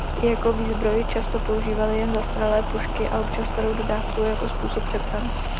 Jako výzbroj často používali jen zastaralé pušky a občas starou dodávku jako způsob přepravy.